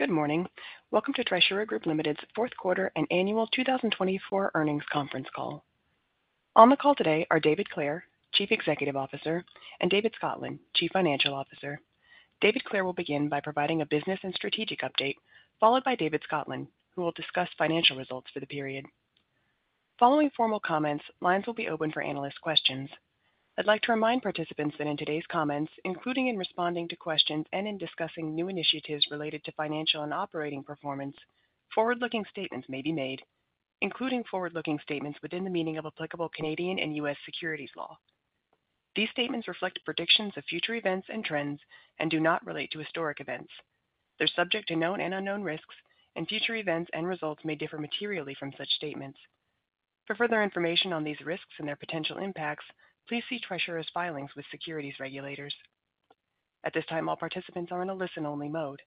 Good morning. Welcome to Trisura Group Limited's fourth quarter and annual 2024 earnings conference call. On the call today are David Clare, Chief Executive Officer, and David Scotland, Chief Financial Officer. David Clare will begin by providing a business and strategic update, followed by David Scotland, who will discuss financial results for the period. Following formal comments, lines will be open for analyst questions. I'd like to remind participants that in today's comments, including in responding to questions and in discussing new initiatives related to financial and operating performance, forward-looking statements may be made, including forward-looking statements within the meaning of applicable Canadian and U.S. securities law. These statements reflect predictions of future events and trends and do not relate to historic events. They're subject to known and unknown risks, and future events and results may differ materially from such statements. For further information on these risks and their potential impacts, please see Trisura's filings with securities regulators. At this time, all participants are in a listen-only mode.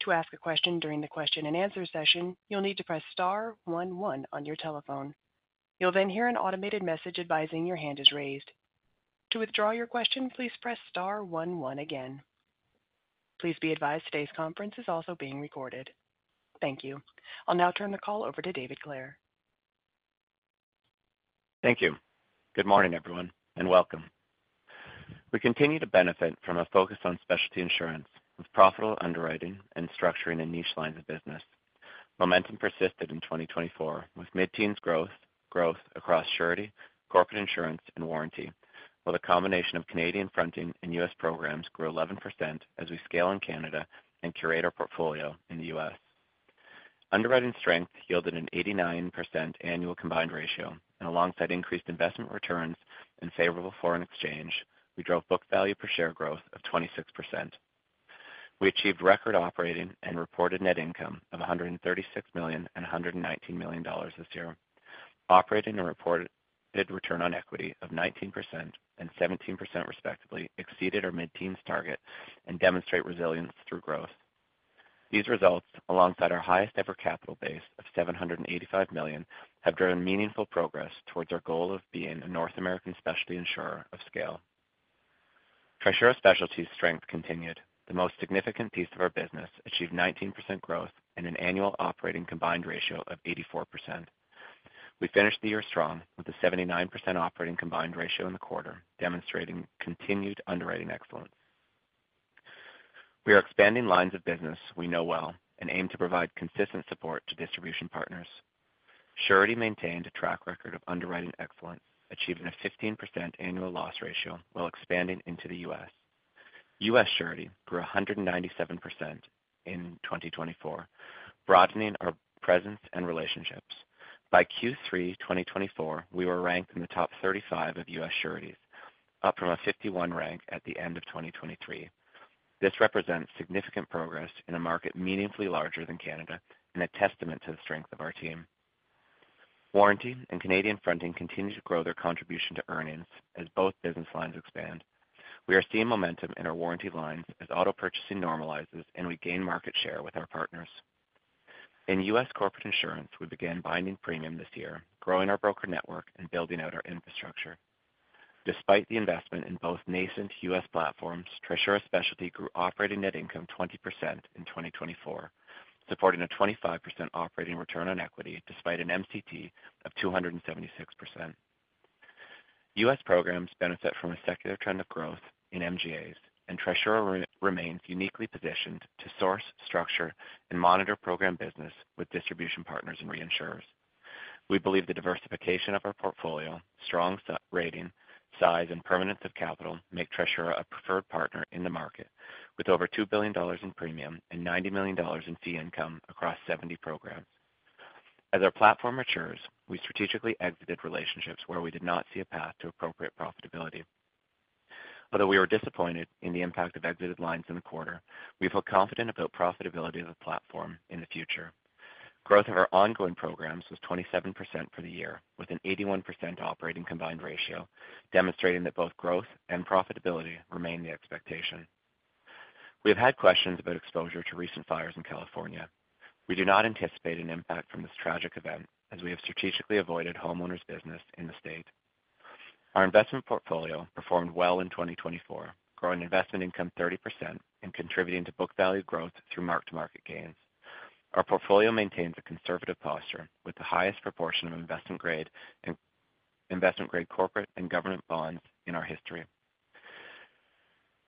To ask a question during the question-and-answer session, you'll need to press star one one on your telephone. You'll then hear an automated message advising your hand is raised. To withdraw your question, please press star one one again. Please be advised today's conference is also being recorded. Thank you. I'll now turn the call over to David Clare. Thank you. Good morning, everyone, and welcome. We continue to benefit from a focus on specialty insurance with profitable underwriting and structuring in niche lines of business. Momentum persisted in 2024 with mid-teens growth across surety, corporate insurance, and warranty, while the combination of Canadian fronting and U.S. programs grew 11% as we scale in Canada and curate our portfolio in the U.S. Underwriting strength yielded an 89% annual combined ratio, and alongside increased investment returns and favorable foreign exchange, we drove book value per share growth of 26%. We achieved record operating and reported net income of 136 million and 119 million dollars this year. Operating and reported return on equity of 19% and 17% respectively exceeded our mid-teens target and demonstrate resilience through growth. These results, alongside our highest ever capital base of 785 million, have driven meaningful progress towards our goal of being a North American specialty insurer of scale. Trisura Specialty's strength continued. The most significant piece of our business achieved 19% growth and an annual operating combined ratio of 84%. We finished the year strong with a 79% operating combined ratio in the quarter, demonstrating continued underwriting excellence. We are expanding lines of business we know well and aim to provide consistent support to distribution partners. Surety maintained a track record of underwriting excellence, achieving a 15% annual loss ratio while expanding into the U.S. U.S. surety grew 197% in 2024, broadening our presence and relationships. By Q3 2024, we were ranked in the top 35 of U.S. sureties, up from a 51 rank at the end of 2023. This represents significant progress in a market meaningfully larger than Canada and a testament to the strength of our team. Warranty and Canadian fronting continue to grow their contribution to earnings as both business lines expand. We are seeing momentum in our warranty lines as auto purchasing normalizes and we gain market share with our partners. In U.S. corporate insurance, we began binding premium this year, growing our broker network and building out our infrastructure. Despite the investment in both nascent U.S. platforms, Trisura Specialty grew operating net income 20% in 2024, supporting a 25% operating return on equity despite an MCT of 276%. U.S. programs benefit from a secular trend of growth in MGAs, and Trisura remains uniquely positioned to source, structure, and monitor program business with distribution partners and reinsurers. We believe the diversification of our portfolio, strong rating, size, and permanence of capital make Trisura a preferred partner in the market, with over $2 billion in premium and $90 million in fee income across 70 programs. As our platform matures, we strategically exited relationships where we did not see a path to appropriate profitability. Although we were disappointed in the impact of exited lines in the quarter, we feel confident about the profitability of the platform in the future. Growth of our ongoing programs was 27% for the year, with an 81% operating combined ratio, demonstrating that both growth and profitability remain the expectation. We have had questions about exposure to recent fires in California. We do not anticipate an impact from this tragic event, as we have strategically avoided homeowners' business in the state. Our investment portfolio performed well in 2024, growing investment income 30% and contributing to book value growth through mark-to-market gains. Our portfolio maintains a conservative posture with the highest proportion of investment-grade corporate and government bonds in our history.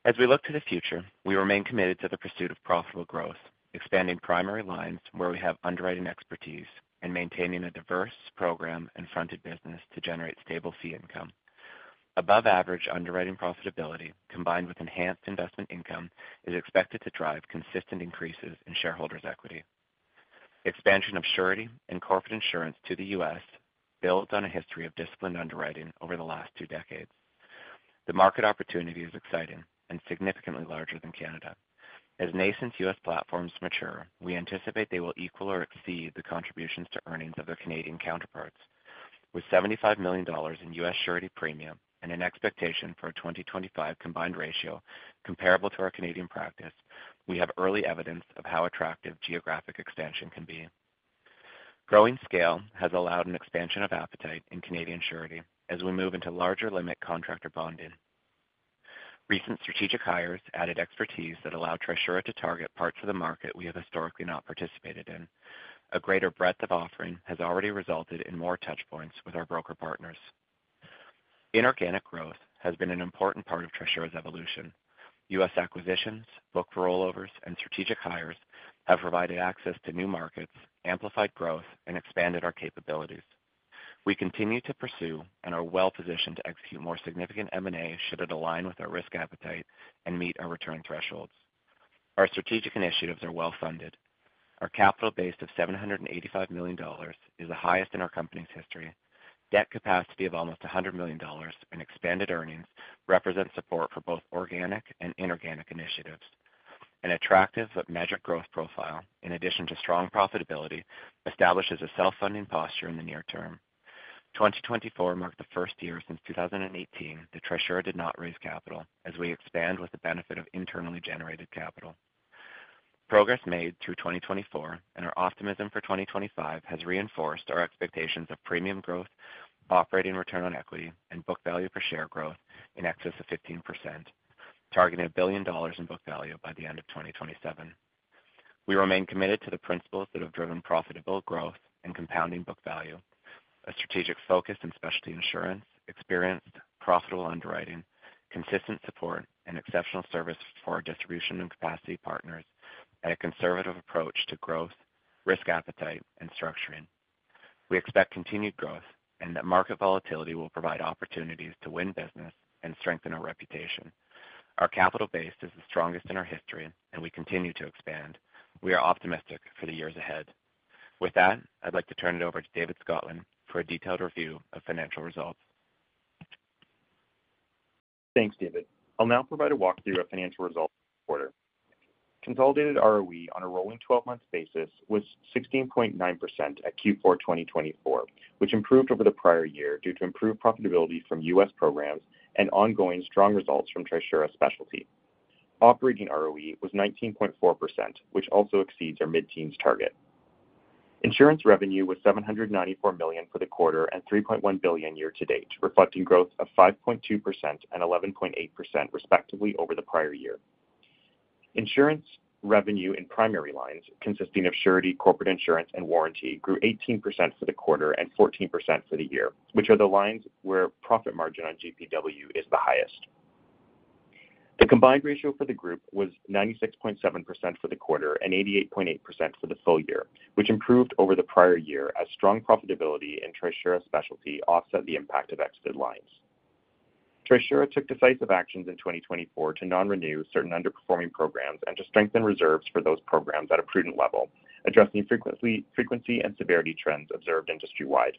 As we look to the future, we remain committed to the pursuit of profitable growth, expanding primary lines where we have underwriting expertise and maintaining a diverse program and fronting business to generate stable fee income. Above-average underwriting profitability, combined with enhanced investment income, is expected to drive consistent increases in shareholders' equity. Expansion of surety and corporate insurance to the U.S. builds on a history of disciplined underwriting over the last two decades. The market opportunity is exciting and significantly larger than Canada. As nascent U.S. platforms mature, we anticipate they will equal or exceed the contributions to earnings of their Canadian counterparts. With $75 million in U.S. surety premium and an expectation for a 2025 combined ratio comparable to our Canadian practice, we have early evidence of how attractive geographic expansion can be. Growing scale has allowed an expansion of appetite in Canadian surety as we move into larger limit contractor bonding. Recent strategic hires added expertise that allow Trisura to target parts of the market we have historically not participated in. A greater breadth of offering has already resulted in more touchpoints with our broker partners. Inorganic growth has been an important part of Trisura's evolution. U.S. acquisitions, book rollovers, and strategic hires have provided access to new markets, amplified growth, and expanded our capabilities. We continue to pursue and are well-positioned to execute more significant M&A should it align with our risk appetite and meet our return thresholds. Our strategic initiatives are well-funded. Our capital base of 785 million dollars is the highest in our company's history. Debt capacity of almost 100 million dollars and expanded earnings represent support for both organic and inorganic initiatives. An attractive but measured growth profile, in addition to strong profitability, establishes a self-funding posture in the near term. 2024 marked the first year since 2018 that Trisura did not raise capital, as we expand with the benefit of internally generated capital. Progress made through 2024 and our optimism for 2025 has reinforced our expectations of premium growth, operating return on equity, and book value per share growth in excess of 15%, targeting 1 billion dollars in book value by the end of 2027. We remain committed to the principles that have driven profitable growth and compounding book value: a strategic focus on specialty insurance, experienced, profitable underwriting, consistent support, and exceptional service for our distribution and capacity partners, and a conservative approach to growth, risk appetite, and structuring. We expect continued growth and that market volatility will provide opportunities to win business and strengthen our reputation. Our capital base is the strongest in our history, and we continue to expand. We are optimistic for the years ahead. With that, I'd like to turn it over to David Scotland for a detailed review of financial results. Thanks, David. I'll now provide a walk-through of financial results for the quarter. Consolidated ROE on a rolling 12-month basis was 16.9% at Q4 2024, which improved over the prior year due to improved profitability from U.S. programs and ongoing strong results from Trisura Specialty. Operating ROE was 19.4%, which also exceeds our mid-teens target. Insurance revenue was $794 million for the quarter and $3.1 billion year-to-date, reflecting growth of 5.2% and 11.8% respectively over the prior year. Insurance revenue in primary lines, consisting of surety, corporate insurance, and warranty, grew 18% for the quarter and 14% for the year, which are the lines where profit margin on GPW is the highest. The combined ratio for the group was 96.7% for the quarter and 88.8% for the full year, which improved over the prior year as strong profitability in Trisura Specialty offset the impact of exited lines. Trisura took decisive actions in 2024 to non-renew certain underperforming programs and to strengthen reserves for those programs at a prudent level, addressing frequency and severity trends observed industry-wide.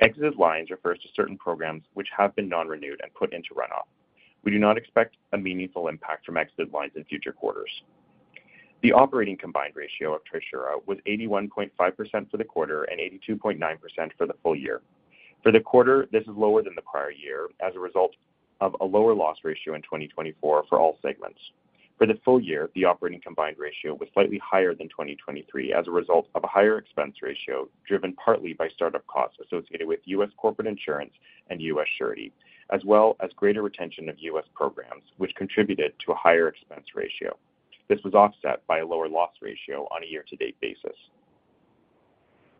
Exited lines refers to certain programs which have been non-renewed and put into runoff. We do not expect a meaningful impact from exited lines in future quarters. The operating combined ratio of Trisura was 81.5% for the quarter and 82.9% for the full year. For the quarter, this is lower than the prior year as a result of a lower loss ratio in 2024 for all segments. For the full year, the operating combined ratio was slightly higher than 2023 as a result of a higher expense ratio driven partly by startup costs associated with U.S. corporate insurance and U.S. surety, as well as greater retention of U.S. programs, which contributed to a higher expense ratio. This was offset by a lower loss ratio on a year-to-date basis.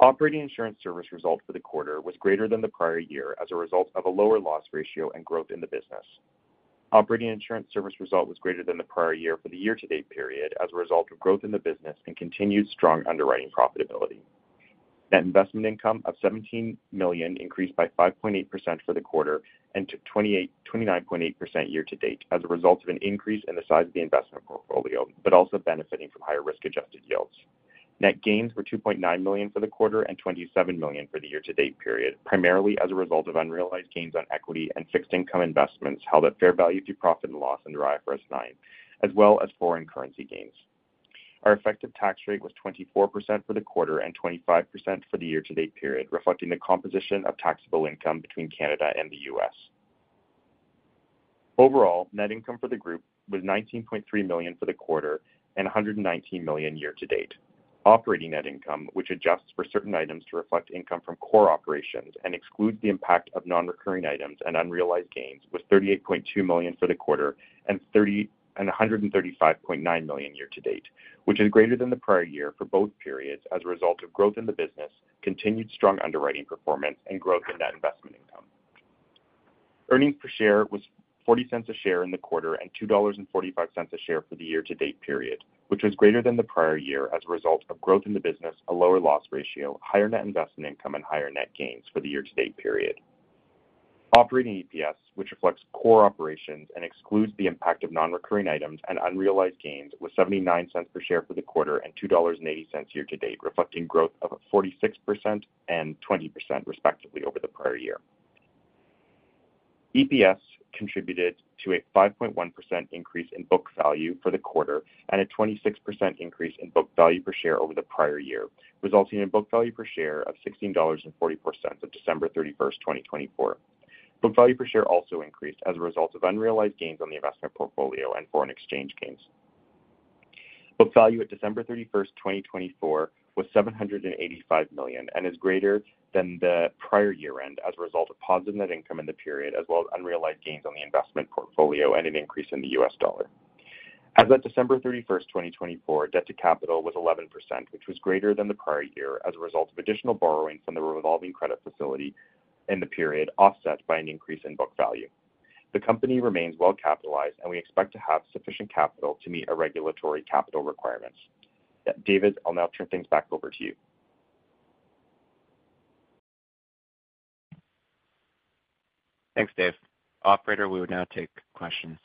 Operating insurance service result for the quarter was greater than the prior year as a result of a lower loss ratio and growth in the business. Operating insurance service result was greater than the prior year for the year-to-date period as a result of growth in the business and continued strong underwriting profitability. Net investment income of CAD 17 million increased by 5.8% for the quarter and to 29.8% year-to-date as a result of an increase in the size of the investment portfolio, but also benefiting from higher risk-adjusted yields. Net gains were 2.9 million for the quarter and 27 million for the year-to-date period, primarily as a result of unrealized gains on equity and fixed income investments held at fair value through profit and loss under IFRS 9, as well as foreign currency gains. Our effective tax rate was 24% for the quarter and 25% for the year-to-date period, reflecting the composition of taxable income between Canada and the U.S. Overall, net income for the group was 19.3 million for the quarter and 119 million year-to-date. Operating net income, which adjusts for certain items to reflect income from core operations and excludes the impact of non-recurring items and unrealized gains, was 38.2 million for the quarter and 135.9 million year-to-date, which is greater than the prior year for both periods as a result of growth in the business, continued strong underwriting performance, and growth in net investment income. Earnings per share was 0.40 a share in the quarter and 2.45 dollars a share for the year-to-date period, which was greater than the prior year as a result of growth in the business, a lower loss ratio, higher net investment income, and higher net gains for the year-to-date period. Operating EPS, which reflects core operations and excludes the impact of non-recurring items and unrealized gains, was 0.79 per share for the quarter and 2.80 dollars year-to-date, reflecting growth of 46% and 20% respectively over the prior year. EPS contributed to a 5.1% increase in book value for the quarter and a 26% increase in book value per share over the prior year, resulting in book value per share of 16.44 dollars as of December 31, 2024. Book value per share also increased as a result of unrealized gains on the investment portfolio and foreign exchange gains. Book value at December 31, 2024, was 785 million and is greater than the prior year-end as a result of positive net income in the period, as well as unrealized gains on the investment portfolio and an increase in the U.S. dollar. As of December 31, 2024, debt to capital was 11%, which was greater than the prior year as a result of additional borrowing from the revolving credit facility in the period, offset by an increase in book value. The company remains well-capitalized, and we expect to have sufficient capital to meet regulatory capital requirements. David, I'll now turn things back over to you. Thanks, Dave. Operator, we will now take questions.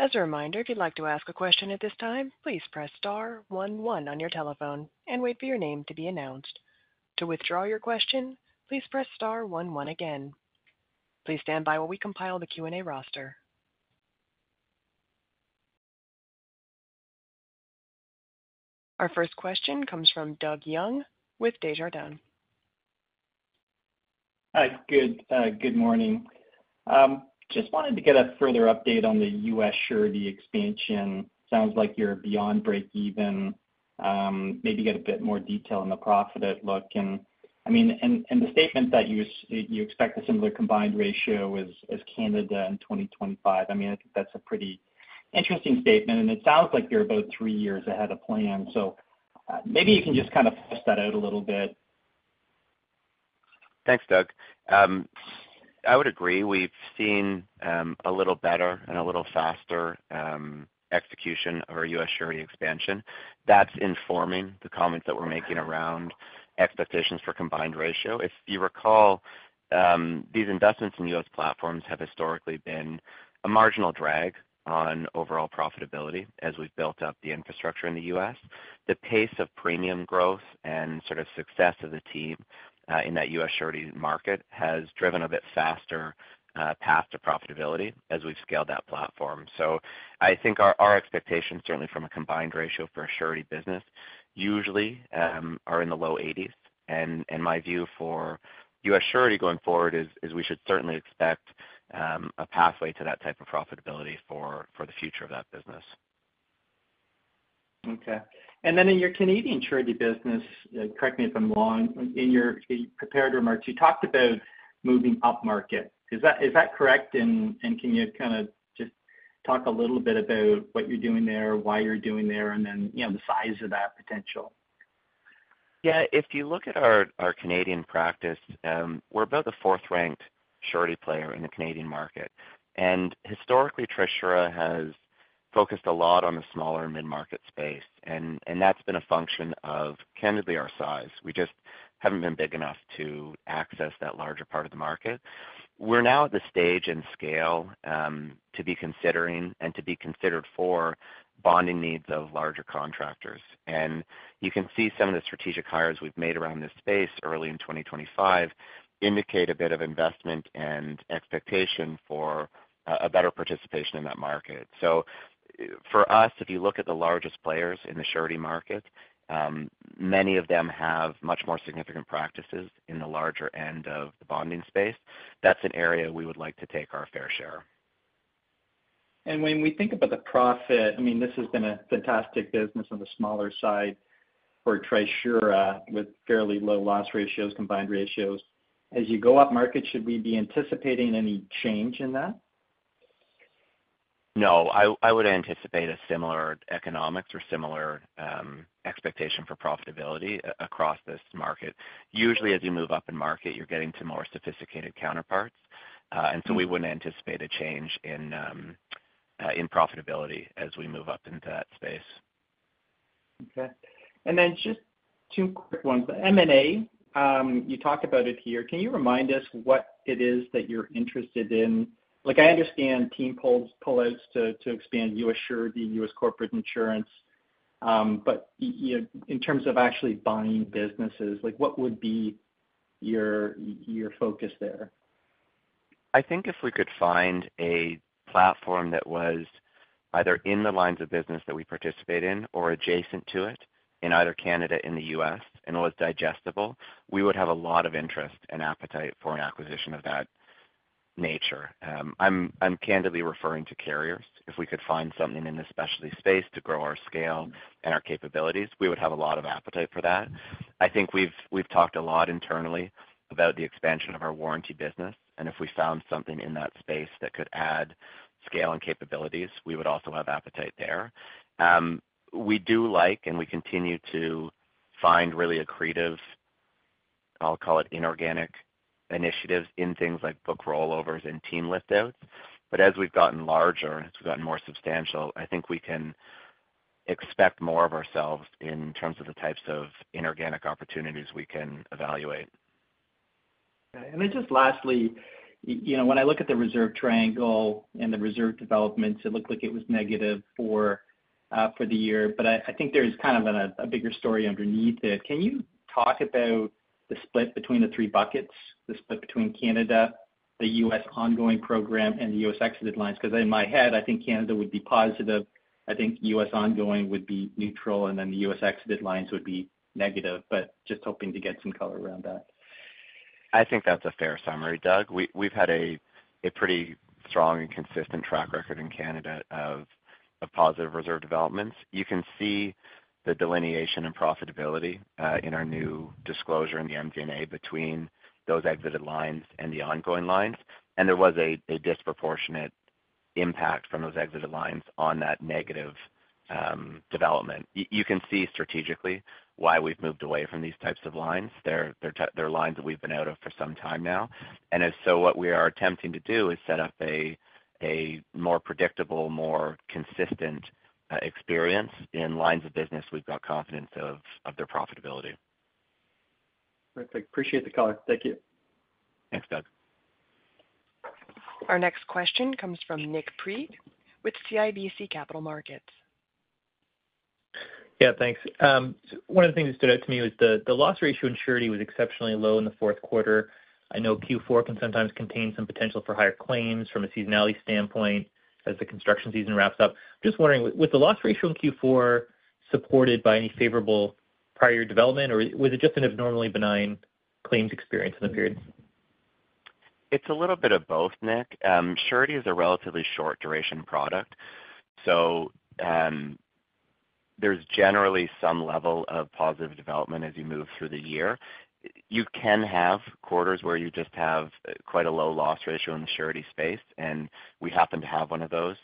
As a reminder, if you'd like to ask a question at this time, please press star one one on your telephone and wait for your name to be announced. To withdraw your question, please press star one one again. Please stand by while we compile the Q&A roster. Our first question comes from Doug Young with Desjardins. Hi, good morning. Just wanted to get a further update on the U.S. surety expansion. Sounds like you're beyond break-even. Maybe get a bit more detail on the profit outlook. And I mean, in the statement that you expect a similar combined ratio as Canada in 2025, I mean, I think that's a pretty interesting statement. And it sounds like you're about three years ahead of plan. So maybe you can just kind of flesh that out a little bit. Thanks, Doug. I would agree. We've seen a little better and a little faster execution of our U.S. surety expansion. That's informing the comments that we're making around expectations for combined ratio. If you recall, these investments in U.S. platforms have historically been a marginal drag on overall profitability as we've built up the infrastructure in the U.S. The pace of premium growth and sort of success of the team in that U.S. surety market has driven a bit faster path to profitability as we've scaled that platform. So I think our expectations, certainly from a combined ratio for a surety business, usually are in the low 80s. And my view for U.S. surety going forward is we should certainly expect a pathway to that type of profitability for the future of that business. Okay. And then in your Canadian surety business, correct me if I'm wrong, in your prepared remarks, you talked about moving upmarket. Is that correct? And can you kind of just talk a little bit about what you're doing there, why you're doing there, and then the size of that potential? Yeah. If you look at our Canadian practice, we're about the fourth-ranked surety player in the Canadian market, and historically, Trisura has focused a lot on the smaller mid-market space, and that's been a function of candidly our size. We just haven't been big enough to access that larger part of the market. We're now at the stage and scale to be considering and to be considered for bonding needs of larger contractors, and you can see some of the strategic hires we've made around this space early in 2025 indicate a bit of investment and expectation for a better participation in that market, so for us, if you look at the largest players in the surety market, many of them have much more significant practices in the larger end of the bonding space. That's an area we would like to take our fair share. And when we think about the profit, I mean, this has been a fantastic business on the smaller side for Trisura with fairly low loss ratios, combined ratios. As you go upmarket, should we be anticipating any change in that? No. I would anticipate a similar economics or similar expectation for profitability across this market. Usually, as you move up in market, you're getting to more sophisticated counterparts, and so we wouldn't anticipate a change in profitability as we move up into that space. Okay. And then just two quick ones. The M&A, you talked about it here. Can you remind us what it is that you're interested in? I understand team pull-outs to expand U.S. surety, U.S. corporate insurance. But in terms of actually buying businesses, what would be your focus there? I think if we could find a platform that was either in the lines of business that we participate in or adjacent to it in either Canada and the U.S. and was digestible, we would have a lot of interest and appetite for an acquisition of that nature. I'm candidly referring to carriers. If we could find something in the specialty space to grow our scale and our capabilities, we would have a lot of appetite for that. I think we've talked a lot internally about the expansion of our warranty business. And if we found something in that space that could add scale and capabilities, we would also have appetite there. We do like, and we continue to find really accretive, I'll call it inorganic initiatives in things like book rollovers and team lift-outs. But as we've gotten larger and as we've gotten more substantial, I think we can expect more of ourselves in terms of the types of inorganic opportunities we can evaluate. Okay. And then just lastly, when I look at the reserve triangle and the reserve developments, it looked like it was negative for the year. But I think there's kind of a bigger story underneath it. Can you talk about the split between the three buckets, the split between Canada, the U.S. ongoing program, and the U.S. exited lines? Because in my head, I think Canada would be positive. I think U.S. ongoing would be neutral, and then the U.S. exited lines would be negative. But just hoping to get some color around that. I think that's a fair summary, Doug. We've had a pretty strong and consistent track record in Canada of positive reserve developments. You can see the delineation in profitability in our new disclosure in the MD&A between those exited lines and the ongoing lines. And there was a disproportionate impact from those exited lines on that negative development. You can see strategically why we've moved away from these types of lines. They're lines that we've been out of for some time now. And so what we are attempting to do is set up a more predictable, more consistent experience in lines of business we've got confidence of their profitability. Perfect. Appreciate the call. Thank you. Thanks, Doug. Our next question comes from Nik Priebe with CIBC Capital Markets. Yeah, thanks. One of the things that stood out to me was the loss ratio in surety was exceptionally low in the fourth quarter. I know Q4 can sometimes contain some potential for higher claims from a seasonality standpoint as the construction season wraps up. I'm just wondering, was the loss ratio in Q4 supported by any favorable prior development, or was it just an abnormally benign claims experience in the period? It's a little bit of both, Nik. Surety is a relatively short-duration product. So there's generally some level of positive development as you move through the year. You can have quarters where you just have quite a low loss ratio in the surety space. And we happen to have one of those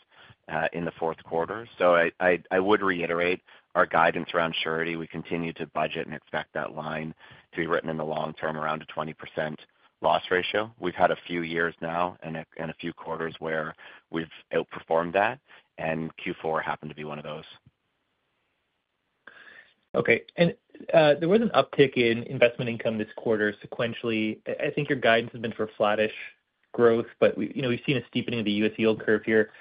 in the fourth quarter. So I would reiterate our guidance around surety. We continue to budget and expect that line to be written in the long term around a 20% loss ratio. We've had a few years now and a few quarters where we've outperformed that. And Q4 happened to be one of those. Okay. And there was an uptick in investment income this quarter sequentially. I think your guidance has been for flattish growth, but we've seen a steepening of the U.S. yield curve here.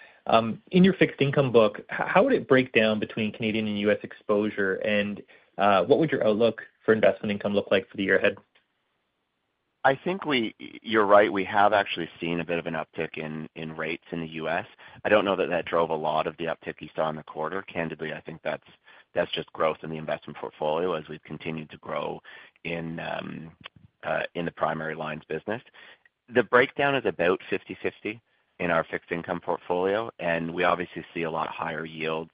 In your fixed income book, how would it break down between Canadian and U.S. exposure? And what would your outlook for investment income look like for the year ahead? I think you're right. We have actually seen a bit of an uptick in rates in the U.S. I don't know that that drove a lot of the uptick you saw in the quarter. Candidly, I think that's just growth in the investment portfolio as we've continued to grow in the primary lines business. The breakdown is about 50/50 in our fixed income portfolio. We obviously see a lot higher yields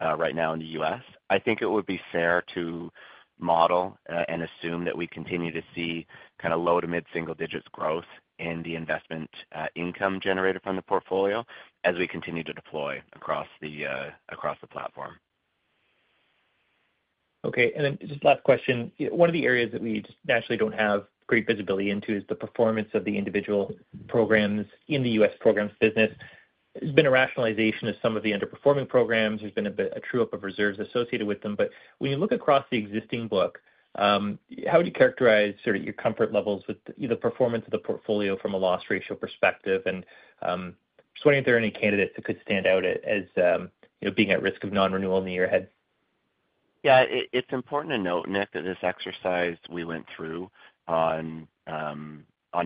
right now in the U.S. I think it would be fair to model and assume that we continue to see kind of low to mid-single digits growth in the investment income generated from the portfolio as we continue to deploy across the platform. Okay. And then just last question. One of the areas that we just naturally don't have great visibility into is the performance of the individual programs in the U.S. programs business. There's been a rationalization of some of the underperforming programs. There's been a true-up of reserves associated with them. But when you look across the existing book, how would you characterize sort of your comfort levels with the performance of the portfolio from a loss ratio perspective? And just wondering if there are any candidates that could stand out as being at risk of non-renewal in the year ahead? Yeah. It's important to note, Nik, that this exercise we went through on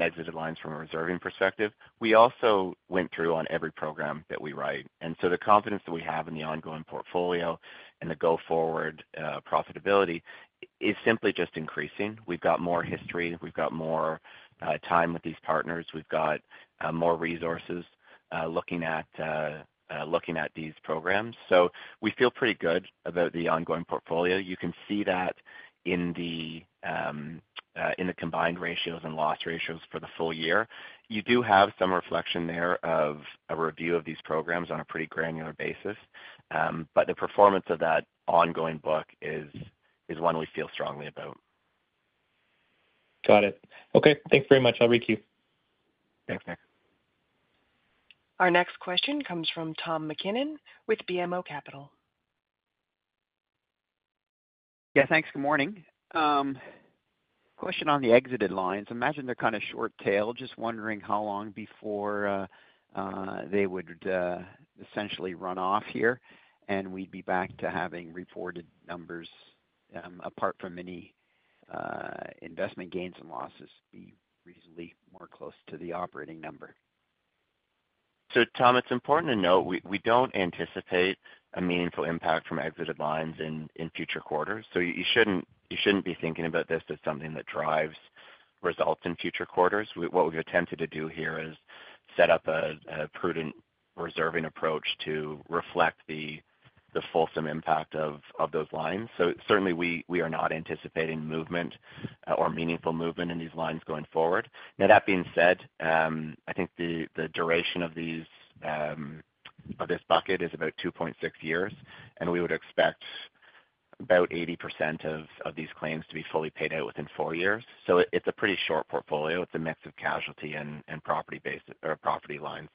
exited lines from a reserving perspective. We also went through on every program that we write. And so the confidence that we have in the ongoing portfolio and the go-forward profitability is simply just increasing. We've got more history. We've got more time with these partners. We've got more resources looking at these programs. So we feel pretty good about the ongoing portfolio. You can see that in the combined ratios and loss ratios for the full year. You do have some reflection there of a review of these programs on a pretty granular basis. But the performance of that ongoing book is one we feel strongly about. Got it. Okay. Thanks very much. I'll reach you. Thanks, Nik. Our next question comes from Tom MacKinnon with BMO Capital Markets. Yeah, thanks. Good morning. Question on the exited lines. Imagine they're kind of short-tailed, just wondering how long before they would essentially run off here and we'd be back to having reported numbers apart from any investment gains and losses be reasonably more close to the operating number. So Tom, it's important to note we don't anticipate a meaningful impact from exited lines in future quarters. So you shouldn't be thinking about this as something that drives results in future quarters. What we've attempted to do here is set up a prudent reserving approach to reflect the fulsome impact of those lines. So certainly, we are not anticipating movement or meaningful movement in these lines going forward. Now, that being said, I think the duration of this bucket is about 2.6 years. And we would expect about 80% of these claims to be fully paid out within four years. So it's a pretty short portfolio. It's a mix of casualty and property lines.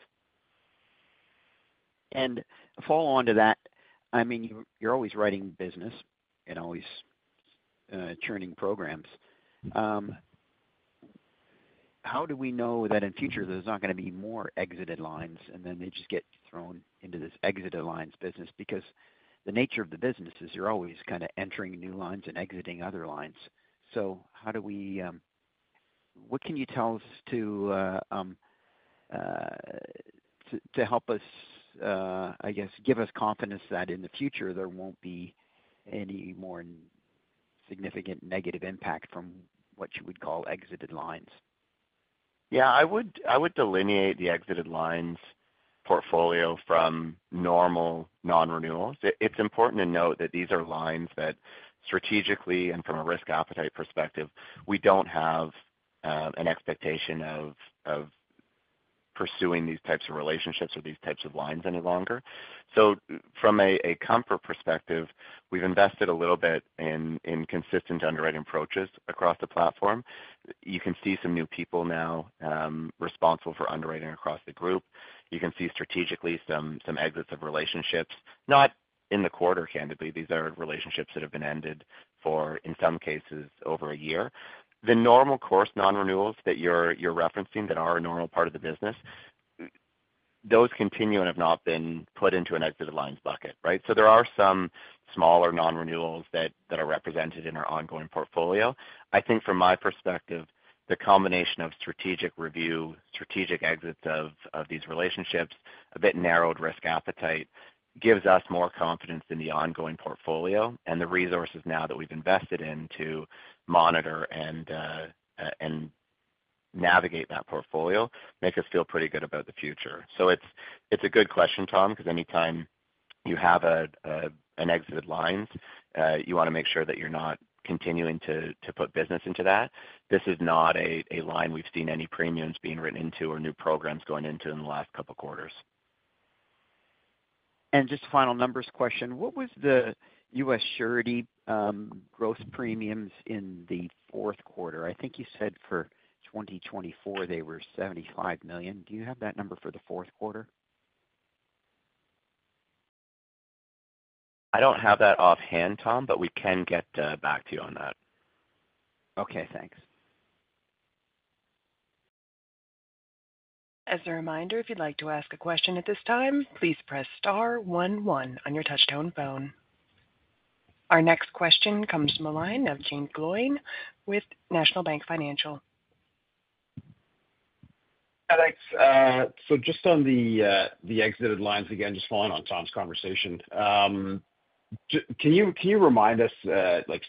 And to follow on to that, I mean, you're always writing business and always churning programs. How do we know that in future there's not going to be more exited lines and then they just get thrown into this exited lines business? Because the nature of the business is you're always kind of entering new lines and exiting other lines. So what can you tell us to help us, I guess, give us confidence that in the future there won't be any more significant negative impact from what you would call exited lines? Yeah. I would delineate the exited lines portfolio from normal non-renewals. It's important to note that these are lines that strategically and from a risk appetite perspective, we don't have an expectation of pursuing these types of relationships or these types of lines any longer. So from a comfort perspective, we've invested a little bit in consistent underwriting approaches across the platform. You can see some new people now responsible for underwriting across the group. You can see strategically some exits of relationships. Not in the quarter, candidly. These are relationships that have been ended for, in some cases, over a year. The normal course non-renewals that you're referencing that are a normal part of the business, those continue and have not been put into an exited lines bucket, right? So there are some smaller non-renewals that are represented in our ongoing portfolio. I think from my perspective, the combination of strategic review, strategic exits of these relationships, a bit narrowed risk appetite gives us more confidence in the ongoing portfolio and the resources now that we've invested in to monitor and navigate that portfolio, make us feel pretty good about the future. So it's a good question, Tom, because anytime you have an exited lines, you want to make sure that you're not continuing to put business into that. This is not a line we've seen any premiums being written into or new programs going into in the last couple of quarters. Just a final numbers question. What was the U.S. surety gross premiums in the fourth quarter? I think you said for 2024 they were $75 million. Do you have that number for the fourth quarter? I don't have that offhand, Tom, but we can get back to you on that. Okay. Thanks. As a reminder, if you'd like to ask a question at this time, please press star one one on your touchtone phone. Our next question comes from a line of Jaeme Gloyn with National Bank Financial. Hi, thanks. So just on the exited lines, again, just following on Tom's conversation, can you remind us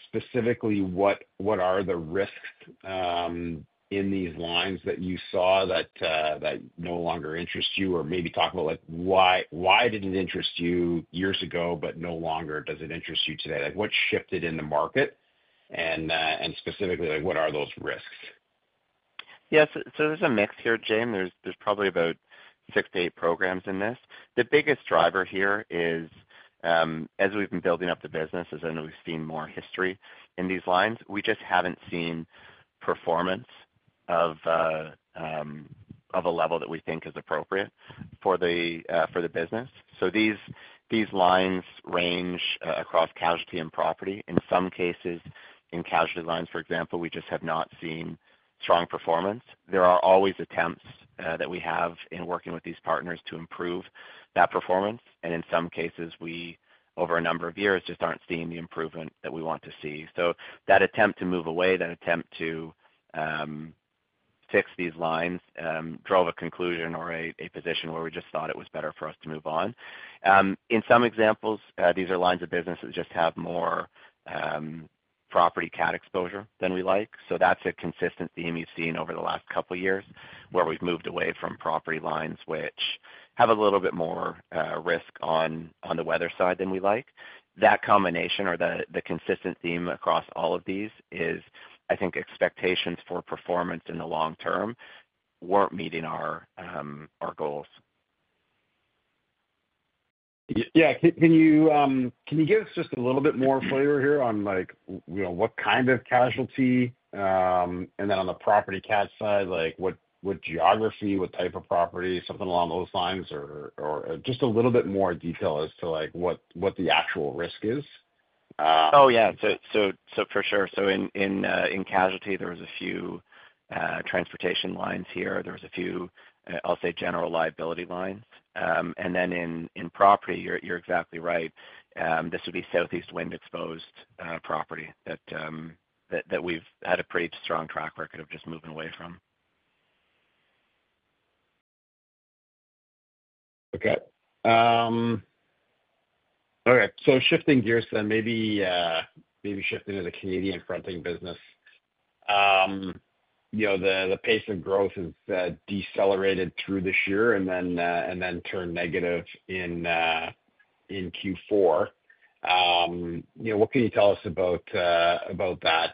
specifically what are the risks in these lines that you saw that no longer interest you? Or maybe talk about why did it interest you years ago, but no longer does it interest you today? What shifted in the market? And specifically, what are those risks? Yeah. So there's a mix here, Jaeme. There's probably about six to eight programs in this. The biggest driver here is, as we've been building up the business, is I know we've seen more history in these lines. We just haven't seen performance of a level that we think is appropriate for the business. So these lines range across casualty and property. In some cases, in casualty lines, for example, we just have not seen strong performance. There are always attempts that we have in working with these partners to improve that performance. And in some cases, we, over a number of years, just aren't seeing the improvement that we want to see. So that attempt to move away, that attempt to fix these lines drove a conclusion or a position where we just thought it was better for us to move on. In some examples, these are lines of business that just have more property cat exposure than we like. So that's a consistent theme we've seen over the last couple of years where we've moved away from property lines which have a little bit more risk on the weather side than we like. That combination or the consistent theme across all of these is, I think, expectations for performance in the long term weren't meeting our goals. Yeah. Can you give us just a little bit more flavor here on what kind of casualty? And then on the property CAT side, what geography, what type of property, something along those lines, or just a little bit more detail as to what the actual risk is? Oh, yeah. So for sure. So in casualty, there was a few transportation lines here. There was a few, I'll say, general liability lines. And then in property, you're exactly right. This would be Southeast wind-exposed property that we've had a pretty strong track record of just moving away from. Okay. All right. So shifting gears then, maybe shifting to the Canadian fronting business. The pace of growth has decelerated through this year and then turned negative in Q4. What can you tell us about that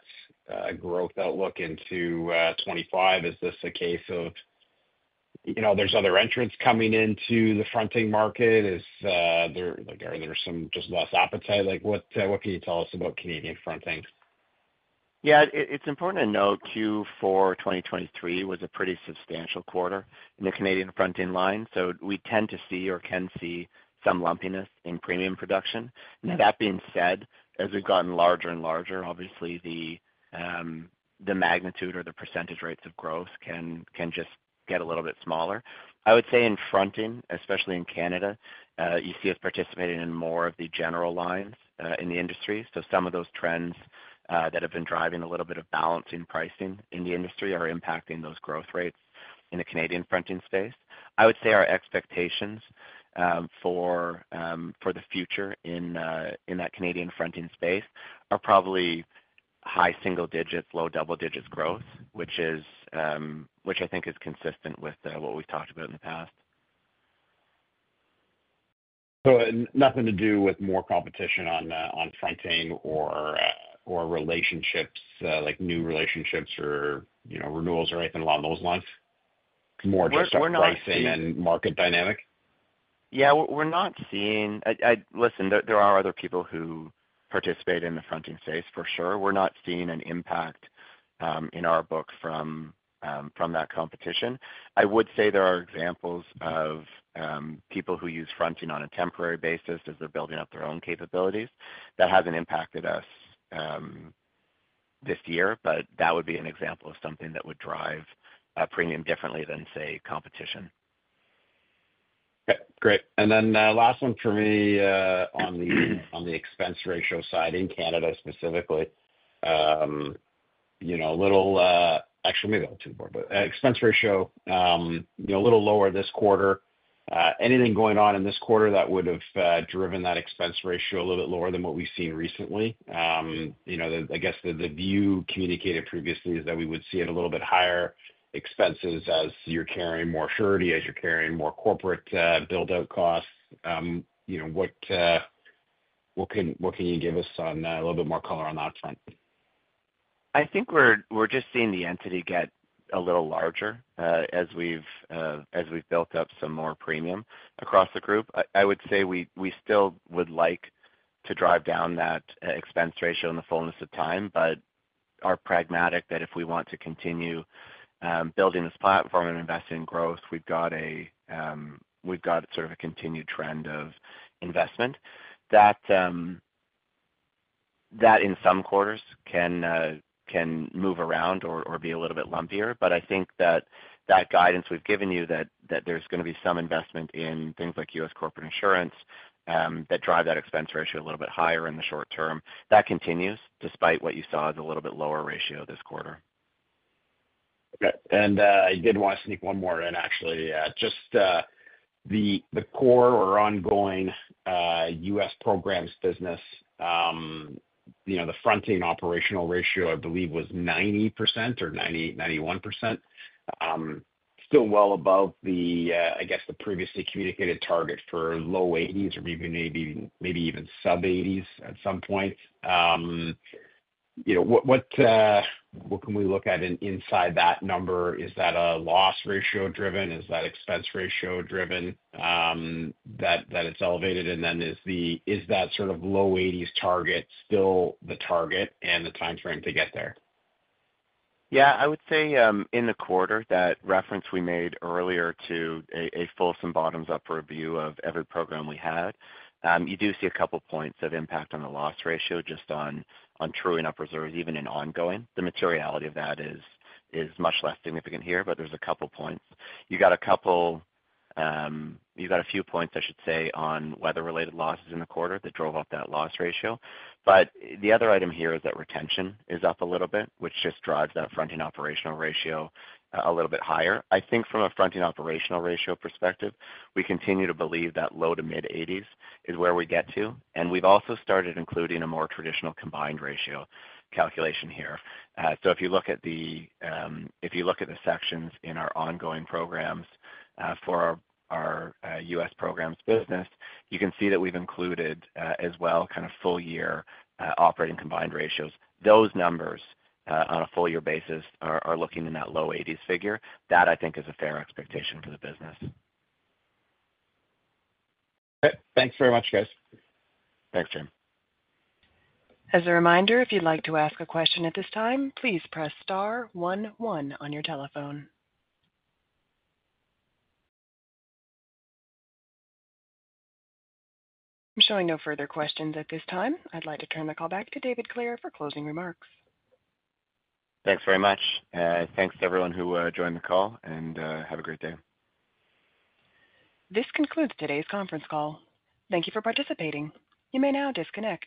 growth outlook into 2025? Is this a case of there's other entrants coming into the fronting market? Are there some just less appetite? What can you tell us about Canadian fronting? Yeah. It's important to note Q4 2023 was a pretty substantial quarter in the Canadian fronting line. So we tend to see or can see some lumpiness in premium production. Now, that being said, as we've gotten larger and larger, obviously, the magnitude or the percentage rates of growth can just get a little bit smaller. I would say in fronting, especially in Canada, you see us participating in more of the general lines in the industry. So some of those trends that have been driving a little bit of balancing pricing in the industry are impacting those growth rates in the Canadian fronting space. I would say our expectations for the future in that Canadian fronting space are probably high single digits, low double digits growth, which I think is consistent with what we've talked about in the past. So nothing to do with more competition on fronting or relationships, like new relationships or renewals or anything along those lines? It's more just pricing and market dynamic? Yeah. We're not seeing. Listen, there are other people who participate in the fronting space, for sure. We're not seeing an impact in our book from that competition. I would say there are examples of people who use fronting on a temporary basis as they're building up their own capabilities. That hasn't impacted us this year, but that would be an example of something that would drive a premium differently than, say, competition. Okay. Great. And then last one for me on the expense ratio side in Canada specifically. Actually, maybe I'll do more. But expense ratio, a little lower this quarter. Anything going on in this quarter that would have driven that expense ratio a little bit lower than what we've seen recently? I guess the view communicated previously is that we would see it a little bit higher expenses as you're carrying more surety, as you're carrying more corporate build-out costs. What can you give us? A little bit more color on that front? I think we're just seeing the entity get a little larger as we've built up some more premium across the group. I would say we still would like to drive down that expense ratio in the fullness of time, but are pragmatic that if we want to continue building this platform and investing in growth, we've got sort of a continued trend of investment. That in some quarters can move around or be a little bit lumpier. But I think that guidance we've given you that there's going to be some investment in things like U.S. corporate insurance that drive that expense ratio a little bit higher in the short term. That continues despite what you saw as a little bit lower ratio this quarter. Okay. And I did want to sneak one more in, actually. Just the core or ongoing U.S. programs business, the fronting operational ratio, I believe, was 90% or 91%. Still well above, I guess, the previously communicated target for low 80s or maybe even sub-80s at some point. What can we look at inside that number? Is that a loss ratio driven? Is that expense ratio driven that it's elevated? And then is that sort of low 80s target still the target and the timeframe to get there? Yeah. I would say in the quarter, that reference we made earlier to a full bottom-up review of every program we had, you do see a couple of points of impact on the loss ratio just on true-up reserves, even in ongoing. The materiality of that is much less significant here, but there's a couple of points. You got a couple, a few points, I should say, on weather-related losses in the quarter that drove up that loss ratio. But the other item here is that retention is up a little bit, which just drives that fronting operational ratio a little bit higher. I think from a fronting operational ratio perspective, we continue to believe that low- to mid-80s is where we get to, and we've also started including a more traditional combined ratio calculation here. So if you look at the sections in our ongoing programs for our U.S. programs business, you can see that we've included as well kind of full-year operating combined ratios. Those numbers on a full-year basis are looking in that low 80s figure. That, I think, is a fair expectation for the business. Okay. Thanks very much, guys. Thanks, Jaeme. As a reminder, if you'd like to ask a question at this time, please press star one one on your telephone. I'm showing no further questions at this time. I'd like to turn the call back to David Clare for closing remarks. Thanks very much. Thanks to everyone who joined the call, and have a great day. This concludes today's conference call. Thank you for participating. You may now disconnect.